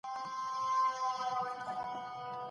موږ به د اوږده اتڼ لپاره ډوډۍ راوړو.